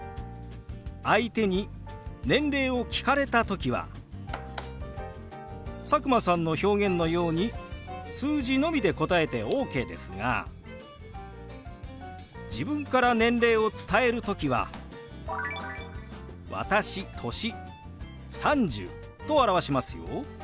相手に年齢を聞かれた時は佐久間さんの表現のように数字のみで答えてＯＫですが自分から年齢を伝える時は「私年３０」と表しますよ。